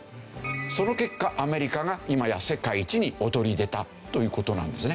その結果アメリカが今や世界一に躍り出たという事なんですね。